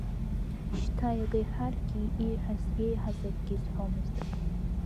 Шьҭа иага иҳәаргьы, ииҳәаз еиҳаз акгьы изҳәомызт.